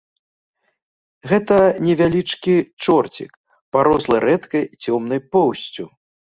Гэта невялічкі чорцік, парослы рэдкай цёмнай поўсцю.